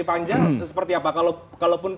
panjang seperti apa kalaupun